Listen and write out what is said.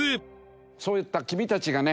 そういった君たちがね